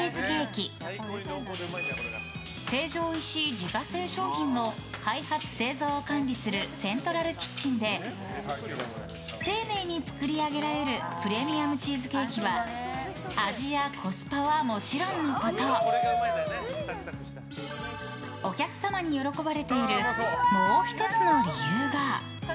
自家製商品の開発製造を管理するセントラルキッチンで丁寧に作り上げられるプレミアムチーズケーキは味やコスパはもちろんのことお客様に喜ばれているもう１つの理由が。